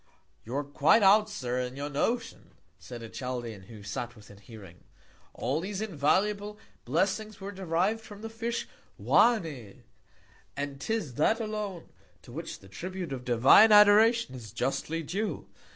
You are quite out, Sir, in your Notion, said a Chaldean, who sat within Hearing: All these invaluable Blessings were deriv'd from the Fish Oannés; and 'tis that alone to which the Tribute of divine Adoration is justly due.